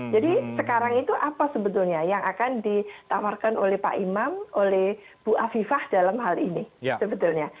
jadi sekarang itu apa sebetulnya yang akan ditawarkan oleh pak imam oleh bu afifah dalam hal ini sebetulnya